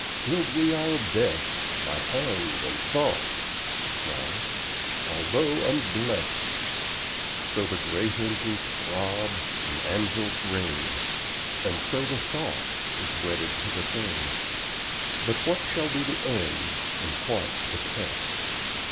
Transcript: "Build we our best. By hand and thought," they cry, "although unblessed." So the great engines throb, and anvils ring, And so the thought is wedded to the thing; But what shall be the end, and what the test?